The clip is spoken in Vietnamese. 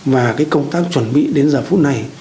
và công tác chuẩn bị đến giờ phút này